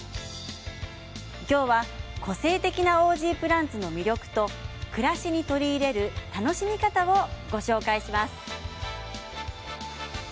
今日は個性的なオージープランツの魅力と暮らしに取り入れる楽しみ方をご紹介します。